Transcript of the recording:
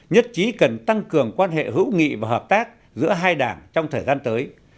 nhất trí cần tăng cường quan hệ hữu nghị và hợp tác giữa hai đảng trong thời gian tới